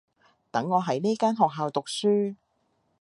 等我喺呢間學校讀書